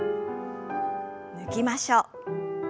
抜きましょう。